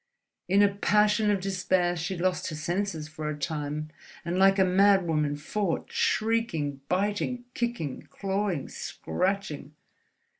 In a passion of despair, she lost her senses for a time and like a madwoman fought, shrieking, biting, kicking, clawing, scratching....